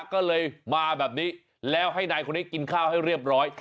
ก็เลยมาแบบนี้แล้วให้นายคนนี้กินข้าวให้เรียบร้อย